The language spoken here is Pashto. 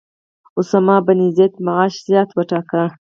اسامه بن زید معاش زیات وټاکه.